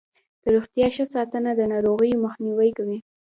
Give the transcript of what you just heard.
د روغتیا ښه ساتنه د ناروغیو مخنیوی کوي.